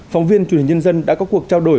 phóng viên chủ nhật nhân dân đã có cuộc trao đổi